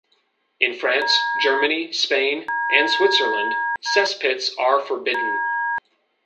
In France, Germany, Spain and Switzerland, cesspits are forbidden.